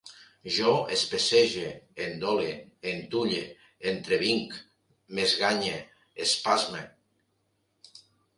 Jo especege, endole, entulle, entrevinc, m'esganye, espasme